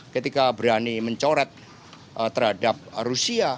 ketika berani mencoret terhadap rusia